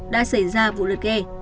đã xảy ra vụ lật ghe